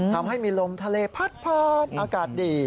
ทำให้มีลมทะเลพัดอากาศดี